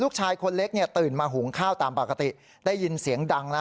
คนเล็กเนี่ยตื่นมาหุงข้าวตามปกติได้ยินเสียงดังนะ